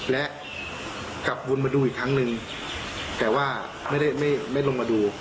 และกลับวนมาดูอีกครั้งหนึ่งแต่ว่าไม่ได้ไม่ลงมาดู